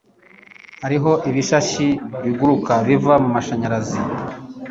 hariho ibishashi biguruka biva mumashanyarazi